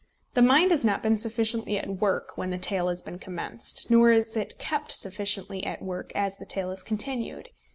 The mind has not been sufficiently at work when the tale has been commenced, nor is it kept sufficiently at work as the tale is continued.